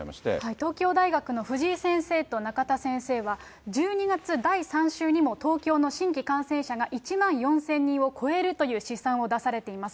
東京大学の藤井先生と仲田先生は、１２月第３週にも東京の新規感染者が１万４０００人を超えるという試算を出されています。